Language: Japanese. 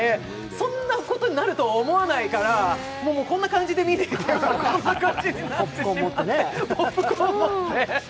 そんなことになると思わないから、こんな感じで見てて、ポップコーンを持って。